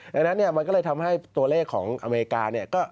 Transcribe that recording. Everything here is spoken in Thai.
เพราะฉะนั้นมันก็เลยทำให้ตัวเลขของอเมริกา